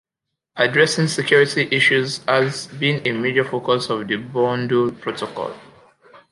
Addressing security issues has been a major focus of the bundle protocol.